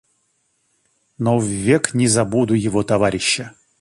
Но ввек не забуду его товарища.